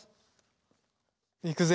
いくぜ。